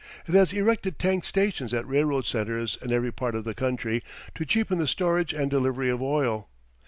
It has erected tank stations at railroad centres in every part of the country to cheapen the storage and delivery of oil.